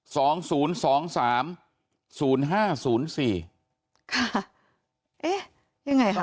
สองศูนย์สองสามศูนย์ห้าศูนย์สี่ค่ะเอ๊ะยังไงคะ